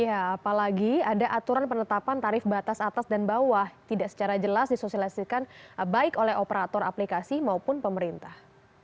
apalagi ada aturan penetapan tarif batas atas dan bawah tidak secara jelas disosialisikan baik oleh operator aplikasi maupun pemerintah